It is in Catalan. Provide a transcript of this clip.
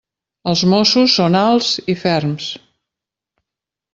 Els mossos són alts i ferms.